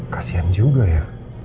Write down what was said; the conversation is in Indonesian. kasian juga ya